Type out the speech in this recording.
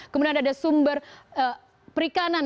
kemudian ada sumber perikanan